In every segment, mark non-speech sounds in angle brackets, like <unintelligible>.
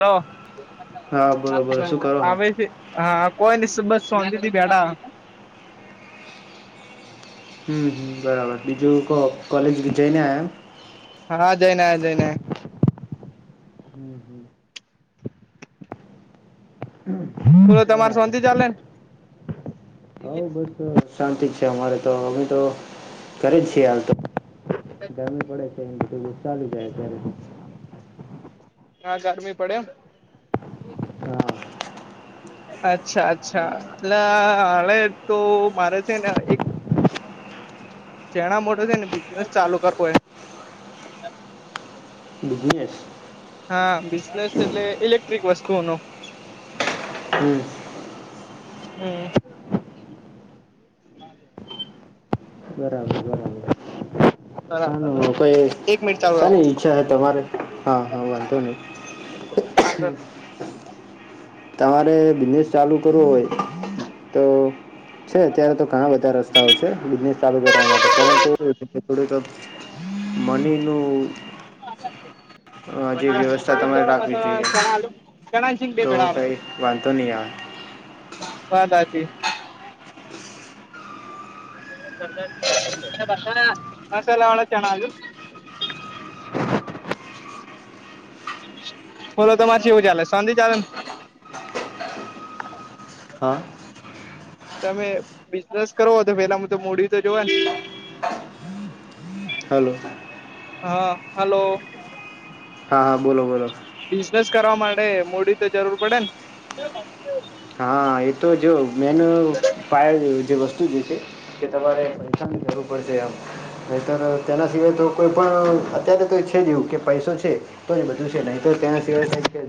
હ હા બોલો બોલો શું કરો છો આવે છે. હા કોઈ ની સુ બ શોન્તીથી બેઠાહ. હમ હ બરાબર બીજું કોહ કોલેજ વિ જઈને આયા. હા જય નાયા જય નાયા. હમ હમ. બોલો ક્યારે તમારે શાંતિ ચાલે ને આવ્યા અવ બસ શાંતિ છે અમારે તો અમે તો ઘરે જ છીએ હાલ તો. ગરમી પડે છે એમ બધું ચાલુ જાય અત્યારે. હા ગરમી પડે એમ. હા અચ્છા અચ્છા એટલે હાલે તો મારે છે ને એક જેણા મોટો છે ને બિઝનેસ ચાલુ કરવો હે. બિઝનેસ. હા બિઝનેસ એટલે ઇલેક્ટ્રિક વસ્તુઓનો. હમ. હમ. બરાબર બરાબર. બરાબર હ. એક મિનિટ ચાલુ રાખો સાની ઈચ્છા હ તમારે હા હા વાંધો નહી. વાંધો તમારે બિઝનેસ ચાલુ કરવું હોય તો છે અત્યારે તો ઘણા બધા રસ્તાઓ છે બિઝનેસ ચાલુ કરવા માટે પરંતુ <unintelligible> થોડી તો મનીનું નઈ હજી વ્યવસ્થા તમારે રાખવી જોઈએ. ચણા આલુ ચણા સિંગ બે તો ભેળા આલુ કઈ વાંધતો નહીં આવે. વાત હાચી. <unintelligible> બ મસાલા મસાલાવાળા ચણા આલજો. બોલો તમાર ચેવું ચાલે શોન્તી ચાલ ન. હા. તમે બિઝનેસ કરો તો પેલામાં તો મુડી તો જોવા ને હલો હા હલો હા હા બોલો બોલો બિઝનેસ કરવા માટે મૂડી તો જરૂર પડે ને તો હા એ તો જો મેન પાય જે વસ્તુ જે છે. કે તમારે પૈસાની જરૂું પડશે આમ નહીંતર તેના સિવાય તો કોઈ પણ અત્યારે તો છે જે એવું કે પૈસો છે તો બધું છે નહી તો ત્યાં સિવાય કઈ છે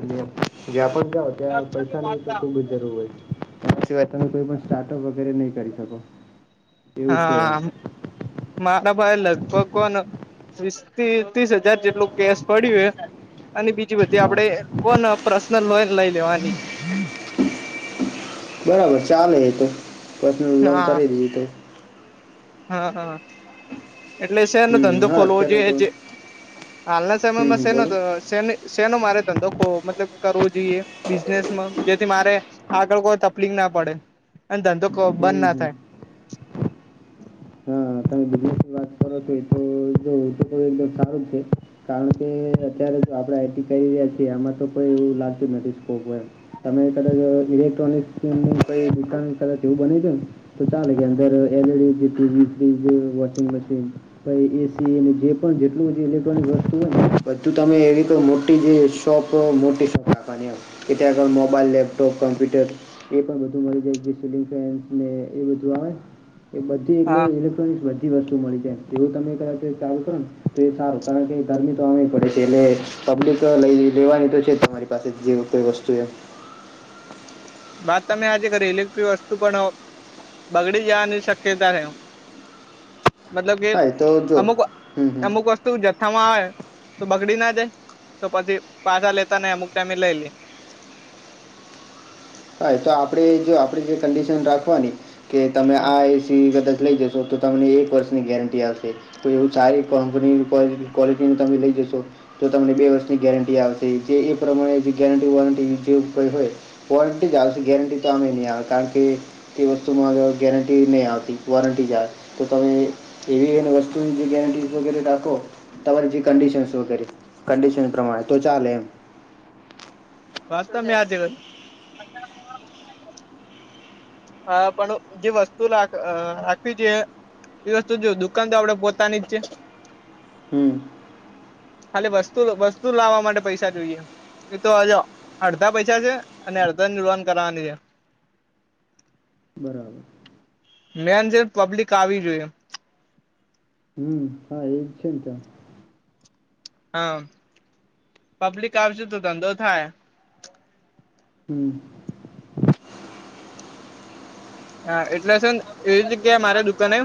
જ્યાં પણ જાઓ ત્યાં પૈસા નહી તો ખૂબ જરૂર હોય સિવાય તમે કોઈ પણ સ્ટાર્ટઅપ વગેરે નહી કરી શકો એવું છે હા મારા ભાઈ લગભગ કોન વીસ ત્રીસ હજાર જેટલું કેસ પડ્યું હ અને બીજી બધી હા આપણે કોણ પર્સનલ લોઈન લઈ લેવાની છે બરાબર ચાલે હ તો પર્સનલ લોન હા કરી દીધું તો હા હા એટલે છેનો ધંધો હમ હા ખોલવો અત્યારે જોઈએ તો જે હાલના હમ સમયમાં હમ છે બોલો તો શેનો મારે ધંધો મતલબ કરવો જોઈએ બિઝનેસમાં જેથી મારે આગળ કોઈ તકલીફ ના પડે અને ધંધો બંધ હમ ના હમ થાય. હા તમે બની વાત કરો છો એ તો જો તો એકદમ સારું છે કારણ કે અત્યારે જો આપણેે આઈટી કરી રહ્યા છીએ એમાં તો કો એવું લાર્જ મેટસ્કોપ હોય તમે કદાચ ઇલેક્ટ્રોનિક દુકાન કદાચ એવું બની છે ને તો ચાલે કે અંદર LED, TV, fridge, washing machine AC જે પણ જેટલું બધું ઇલેક્ટ્રોનિક વસ્તુ હોય ને બધું તમે એવી કઈ મોટી જે <inaudible> સંખા આપની કેટગળ મોબાઈલ, લેપટપ, કમ્પ્યુટર એ પણ બધું મળી જાય સીલિંગ ફેન ને એ બધું આવે એ બધી હા એ બધી વસ્તુ મળી જાય એવું તમે ક ચાલુ કરો ને તો એ સારું કારણ કે ગરમી તો આમેય પડે છે, એટલે પબ્લિક લઈ લેવાની તો છેઝ તમારી પાસે જે કોઈ વસ્તુ એ બાત તમે આજે કરી ઇલેક્ટ્રિક વસ્તુ પણ બગડી જવાની શક્યતા રેવ મતલબ કે હા એ તો જો હમ હમ અમુક-અમુક વ તું જથ્થા માં આવે તો બગડી ના જાય તો પછી પાછા લેતા ને અમુક ટાઈમે લઈ લે હા તો આપડે જો આપે જે કંડિશન રાખવાની કે તમે હમ આ એસી કદાચ જ લઈ જશો તો તો તમને એક વર્ષની ગેરંટી આવશે તો એવું સારી કપની ક્વોલિટી તમે લઈ જશો જો તમને બે વર્ષની ગેરંટી આવશે જે એ પ્રમાણે જે ગેરંટી વોરંટી જેવ કઈ હોય વોરંટી જ આવશે ગેરંટી તો અમે નહીં આવે કારણ કે તે વસ્તુમાં ગેરંટી નહીં આવતી વોરંટી જાય તો તમે એઈવીએન વસ્તુની ગેરંટી વગેરે દાખો તમારી જે કંડિશન સો કરે કંડિશન પ્રમાણે તો ચાલે એમ વાતા મે આજેવન હા પણ જે વસ્તુ રાખવી જોઈએ એ વસ્તુ જો દુકાન તો આપડે પોતાની જ છે. હમ ખાલી વસ્તુ વસ્તુ લાવવા માટે પૈસા જોઈએ. એ તો આજે અડધા પૈસા છે, અને અડધા નિવાન કરવાની છે. બરાબર મેન જે પબ્લિક આવી જોઈએ. હમ હા એજ છે, ને ત્યાં હા પબ્લિક આવસે તો ધંધો થાય. હમ. હા એટલે સર એવી જગ્યા મારે દુકને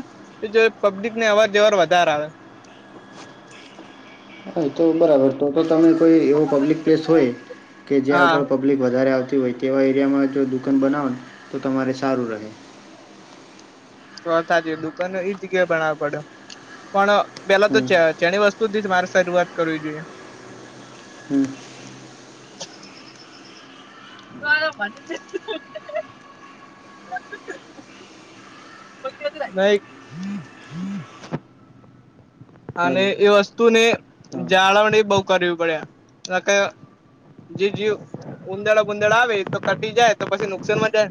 પબ્લિકને અવર જવર વધારે આવે. હ તો બરાબર. તો તો તમે કોઈ એવો પબ્લિક પ્લેસ હોય કે જ્યાં હા. આગળ પ પબ્લિક વધારે આવતી હોય તેવા એરિયામાં જો દુકાન બનાવો ને તો તમારે સારું રહે. ચ થા જ દુકાન એ જગ્યાએ ભણ પડ્યો પણ પેલા તો હમ છે. જેણી વસ્તુ થી જ મારે શરૂઆત કરવી જોઈએ. હમ. ગયો ન <unintelligible> <unintelligible> કઈ અને હાલો એ વસ્તુને હા જાળવણી બઉ કરવી પડે જે જીવ ઉંદાડા ગુંદાડા આવે તો કટી જાય તો પછી નુકસાનમાં જાય.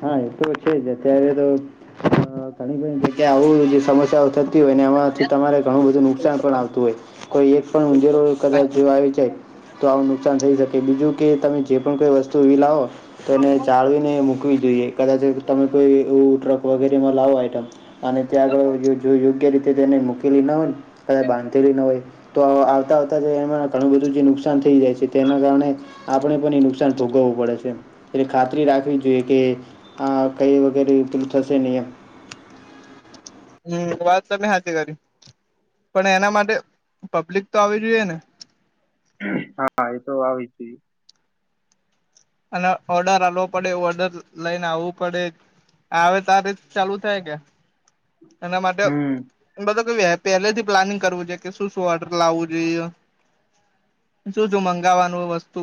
હા તો છે, જ અત્યારે તો. <inaudible> અ, ઘણી ઘી જગ્યા આવું જે સમસ્યાઓ થતી હોય ને એમાંથી તમારે ઘણું બધું નુકસાન પણ આવતું હોય. કોઈ એક પણ ઊંજેરો કદાચ જે આવી જાય તો આવું નુકસાન થઈ શકે બીજું. કે તમે જે પણ કોઈ વસ્તુ એવી લાવો તો એને જાળવીને મૂકવી જોઈએ. કદાચ તમે કોઈ એવું ટ્રક વગેરેમાં લાવો આઈટમ અને ત્યાં આગળ જો. જો યોગ્ય રીતે તેને મૂકેલી ન હોય ને કદા બાંધેલી ન હોય. તો આવતાં આવતા જ એમાં ઘણું બધું જે નુકસાન થઈ જાય છે, તેના કારણે આપણે પણ એ નુકસાન ભોગવવું પડે છે, એટલે ખાતરી રાખવી જોઈએ કે આ કઈ વગેરે તલ થશે નિયમ હમ વાત તમે હચ કરી પણ એના માટે પબ્લિક તો આવી જોઈએ ને. હા એ તો આવી જ છે. અને ઓર્ડર હાલવો પડે ઓર્ડર લઈને આવવું પડે. આવે ત રીત ચાલુ થાય કે એના માટે. હમ બધ કે પહેલે થી પ્લાનિંગ કરવું જોઈએ કે શું શું ઓર્ટર લાવવું જોઈએ. શું જો મંગાવવાનું વસ્તુ.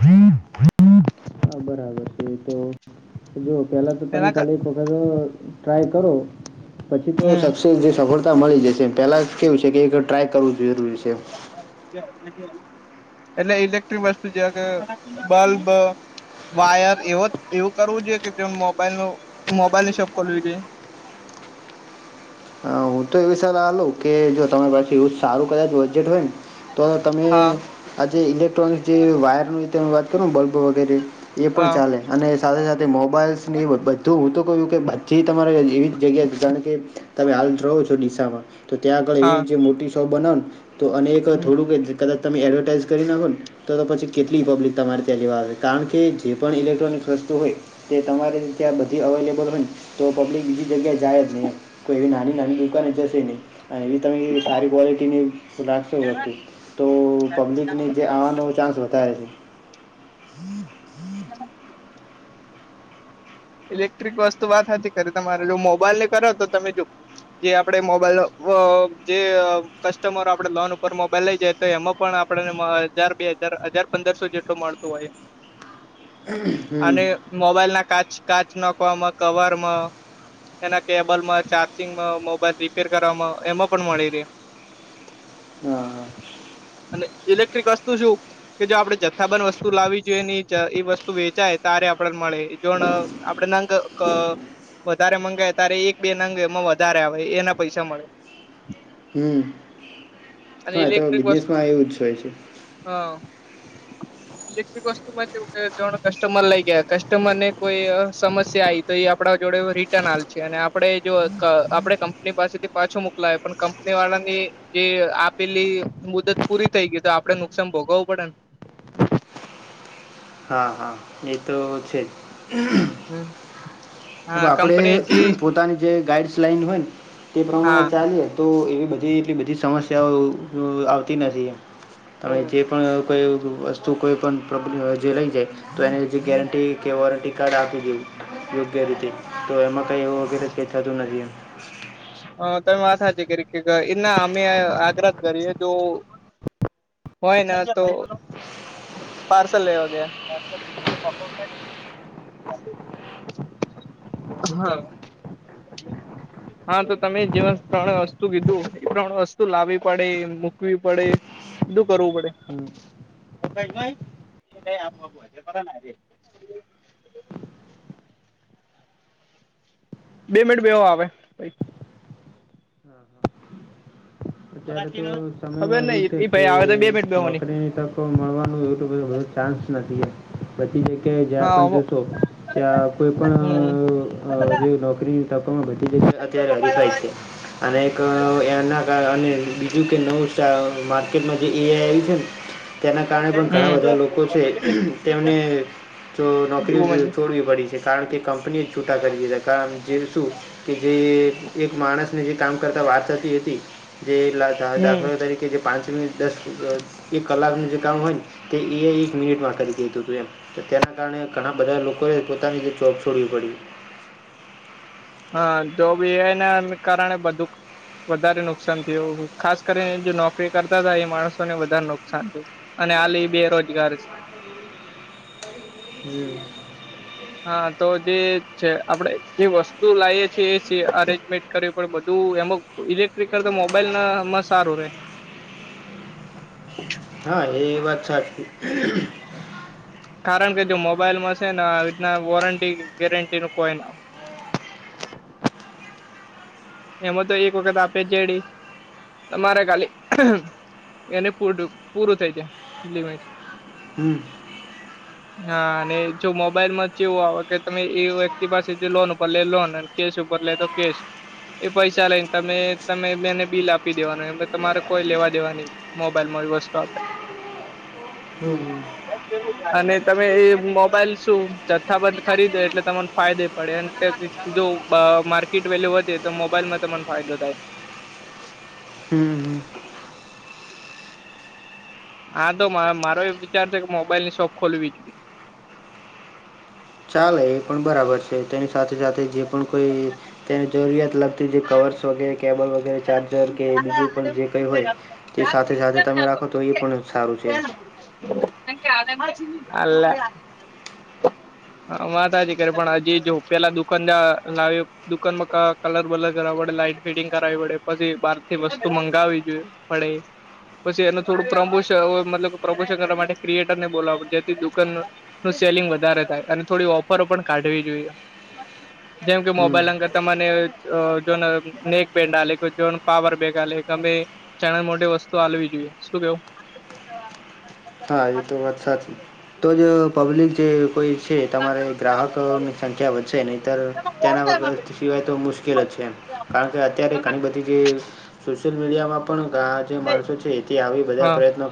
હીમ <unintelligible> હા બરાબર છે તો જોુ પહેલા તો તમે એના ક ખાલી વખ ટ્રાય કરો પછી તો હમ સક્સેસ જે સફળ. મળી જશે પેલા કેવું છે કે ટ્રાય કરવું જરૂરી છે. એટલે ઇલેક્ટ્રિક વસ્તુ જે કે બલ્બ વાયર એવ એવું કરવું જોઈએ કે જે મોબાઈલ ન મોબાઈલની શોપ ખોલવી જોઈએ. અ, હું તો એવી સલાહ લઉં કે જો તમારી પાસે યુઝ સારું કદાચ બજેટ હોય ને તો તમે હા આજે ઇલેક્ટ્રોનિક જે વાયરતે વાત કરો ને બલ્બ વગેરે એ પણ હા ચાલે અને સાથે સાથે મોબાઈલ્સની બધું હું તો કહ્યું કે હી તમારે એવી જ જગ્યાએ જાણ કે તમે હાલ રહો છો િસામાં તો ત્યાં આગળ હા એવી મોટી શો બનાવો ને તો અને એક હમ થોડું કદાચ તમે એડવર્ટાઈઝ કરી નાગો. તો તો પછી કેટલી પબ્લિક તમારે ત્યાં લેવા આવે છે કારણ કે જે પણ ઇલેક્ટ્રોનિક રસ્તુ હોય. તે તમારી ત્યાં બધી અવેલેબલ હોય તો પબ્લિક બીજી જગ્યાએ. જાય જ નહીં એમ કોઈ એવી નાની નાની દુકને જશે નહી. અને એ બી તમે સારી ક્વૉલિટીની રાખશો હતું તો પબ્લિકને જે આવવાનો ચાસ વધારે છે. <unintelligible> ઇલેક્ટ્રિક વસ્તુ વાત હતી ખે તમારે જો મોબાઈલ ને કરો તો તમે જો. જે આપડે મોબાઈલ જે કસ્ટમરો આપડે લોન ઉપર મોબાઈલ લઇ જઈ તો એમાં. પણ આપડે ને મહે હજાર બે હજાર હજાર પંદરસો જેટલો મળતો હોય. અને હમ. મોબાઈલ ના કાચ કાચ નાખવામાં કવરમાં એના કેબલ માં ચાર્જિંગમાં મોબાઈલ રિપેર કરવામાં એમાં પણ મળી રે. <inaudible> હા હા. અને ઇલેક્ટ્રિક વસ્તુ શું. કે જો આપણેે જથ્થાબંધન વસ્તુ લાવવી જોઈએ ને એ વસ્તુ વેચાય તારે આપડે મળે જો. આપડે <inaudible> તંગ ક વધારે મંગાય ત્યારે એક બે નંગ એમાં વધારે આવે એના પૈસા મળે. હમ અને હા એ તો ઇલેક્ટ્રિક વસ્તુ બિઝનેસમાં એવું જ હોય છે. હા. ઇલેક્ટ્રિક વસ્તુમાં કેવુ કે ત્રળ કસ્ટમર લઈ ગયા કસ્ટમર ને કોઈ સમસ્યા આવી તો એ આપણા જોડે રિટર્ન આલ છે અને આપડે જો ક આપણે કંપની પાસેથી. પાછો મોકલાય પણ કંપની વાળા ની જે આપેલી મુદત પૂરી થઈ ગઈ તો આપડે નુકસાન ભોગવું પડે ને. હા હા એ તો છે જ. હમ. હ આપણે પોતાની જે ગાઈડ્સ લાઈન હોય ને તે પ્રમાણે હા ચાલીએ તો એવી બધી એટલી બધી સમસ્યાઓ અ આવતી નથી એમ હવે જે હમ પણ કોઈ વસ્તુ કોઈ પણ પ્રોબ્લેમ જે લઈ જાય. તો એને જે ગેરંટી કે વોરંટી કાર્ડ આપી દેઈ. ગેરંટી તો એમાં કઈ એવું વગેરે જ કઈ થતું નથી એમ. હ તમે આ સાચી કરી કે એ ના હામે આગ્રત કરીએ જો. હોય ના તો પાર્સલ લેવા ગયા. હા. હા તો તમે જે ત્રણે વસ્તુ કીધું એ ત્રણ વસ્તુ લાવવી પડે મૂકવી પડે. બધું કરવું પડે. હમ બે મિનિટ બેવો આવે. અત્યારે તો ખબર સમયમાં એવું નઈ છે ઈ કે ભાઈ આવે તો બે મિનિટ બેહોની નોકરીની તક પણ મળવાનું એટલો બઘો કોઇ ચાન્સ નથી. પછી જગ્યા જ્યાં પણ હા જશો ત્યાં કોઈ પણ હમ અ જે નોકરી. ત કો બધી જગ્યા અત્યારે હરીફાય છે અને એક એના કારણે બીજું કે નવું સ્ટાર માર્કેટમાં જે એઆઈ આવ્યું છે ને. તેના કારણે પણ ઘણા બધા લોકો છે તેમને જો નોકરીઓ હમ છોડવી પડી. જે કારણ કે કંપનીએ જ છૂટા કરી દીધા કારણ જે શું. કે જે એક માણસને જે કામ કરતા વાર થતી હતી જે દા હમ દાખલા તરીકે. કે જે પાંચ મિનિટ દસ અ એક કલાકનું જે કામ હોય ને. તે એઆઈ એક મિનિટ માં કરી દેતું તું એમ તેના કારણે ઘણા બધા લોકોએ પોતાની જોબ છોડવી પડી. હા તો બી હેને અમુક કારણે બધું. વધારે નુકસાન થયું ખાસ કરીને જો નોકરી કરતા હતા એ માણસોને વધારે નુકસાન થયું. અને હાલી બી બેરોજગાર છે. હમ. હા તો જે છે આપણેે જે વસ્તુ લાવએ છીએ એ છે અરેન્જમેન્ટ કરવી પણ બધું એમાં ઇલેક્ટ્રિક કરતાં મોબાઈલ નામાં સારું રે. હા એ વાત સાચી. કારણ કે જો મોબાઈલમાં છે ને આ રીતના વોરંટી ગેરંટી ન કોઈ ના. એમાં તો એક વખત આપે જેડી તમારે ખાલી. એને પૂર પૂરું થઈ જાય લિમિટ. હમ્મ. હમ હા અને જો મોબાઈલ માં જે એવું આવે કે તમે એ વ્યક્તિ પાસેથી લોન ઉપર લે લો કેસ ઉપર લે તો કેશ. એ પૈસા લઈને તમે તમે બેને બિલ આપી દેવાનું એમ તમારે કોઈ લેવા દેવા નહી. મોબાઈલમાં વસ્તુ આપે. હમ્મ. અને તમે એ મોબાઈલ શું જથ્થાબંધ ખરીદો એટલે તમાને ફાયદે પડ જો માર્કેટ વેલ્યુ વધે તો મોબાઈલમાં પણ ફાયદો થાય. હમ્મ. હા તો મારો એ વિચાર છે કે મોબાઈલ ની શોપ ખોલવી જોઈએ. ચાલે એ પણ બરાબર છે તેની સાથે સાથે જે પણ કોઈ તેને જરૂરિયાત લગ તી જે કવર્સ વગેરે કેબલ વગેરે ચાર્જર કે બીજું પણ જે કંઈ હોય તે સાથે સાથે તમે રાખો તો એ પણ સારું છે એમ. કાલે. હા વાત હાચ કરી પણ હજી જો પેલા દુકાનદાર લાવ્યો દુકાનમાં ક કલર વલર કરાવ પડે, લાઈન ફિડિંગ કરાવવી પડે પછી બારથી વસ્તુ મંગાવવી જોઈએ. પડે. પછી એનું થોડું પ્રમોશન મતલબ પ્રમોશન કરવા માટે ક્રિએટર ને બોલવા. જેથી દુકાન નું સેલિંગ વધારે થાય અને થોડી ઓફરો પણ કાઢવી જોઈએ. જેમ કે હમ મોબાઈલ અંગર તને જોન નેક બેન્ડ આ કે જોન પાવર બેક આ કે અમે ચણા મોટી વસ્તુ હાલવી જોઈએ. શું કેવું? હા, એ તો વાત સાચી. તો જ પબ્લિક જે કોઈ છે, તમારે ગ્રાહકોની સંખ્યા વધશે નહીંતર તેના વગર સિવાય તો મુશ્કેલ જ છે. કારણ કે અત્યારે ઘણી બધી જે સોશિયલ મીડિયામાં પણ જે માણસો છે, એથી આવી બધા હા પ્રયત્નો